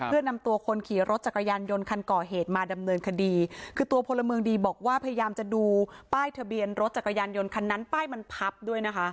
เพื่อนำตัวคนขี่รถจักรยานยนต์คันก่อเหตุมาดำเนินคดีคือตัวพลเมืองดีบอกว่าพยายามจะดูป้ายทะเบียนรถจักรยานยนต์คันนั้นป้ายมันพับด้วยนะคะ